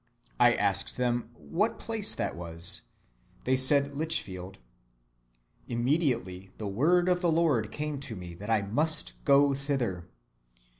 I asked them what place that was? They said, Lichfield. Immediately the word of the Lord came to me, that I must go thither.